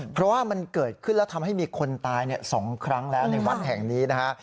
เพราะว่ามันเกิดขึ้นแล้วทำให้มีคนตาย๒ครั้งแล้วในวัดแห่งนี้นะฮะ